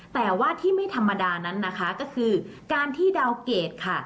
แต่ว่าที่ไม่ธรรมดานั้นนะคะก็คือการที่ดาวเกรดค่ะ